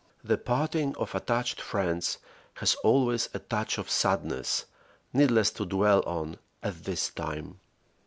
The parting of attached friends has always a touch of sadness needless to dwell on at this time.